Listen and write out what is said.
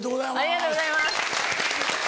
ありがとうございます。